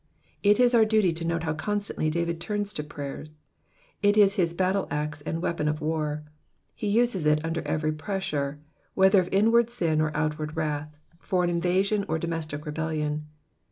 It is our duty t% note how constantly David turns to prayer ; it is bis battleaxe and weapon of war ; he uses it under every pressure, whether of inward sin or outward wrath, foreign invasion or domestic rebellion.